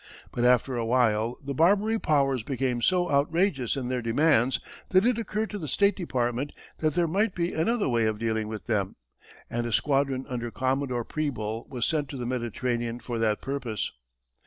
But after a while, the Barbary powers became so outrageous in their demands, that it occurred to the State Department that there might be another way of dealing with them, and a squadron under Commodore Preble was sent to the Mediterranean for the purpose.